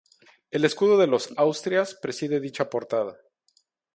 El escudo de los Austrias preside dicha portada.